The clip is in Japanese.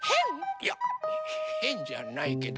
いやへんじゃないけど。